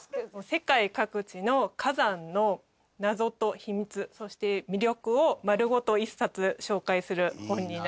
世界各地の火山の謎と秘密そして魅力を丸ごと１冊紹介する本になります。